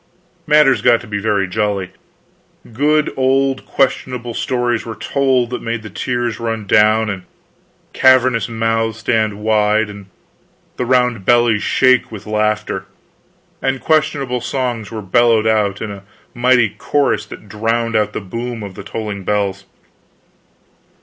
Matters got to be very jolly. Good old questionable stories were told that made the tears run down and cavernous mouths stand wide and the round bellies shake with laughter; and questionable songs were bellowed out in a mighty chorus that drowned the boom of the tolling bells.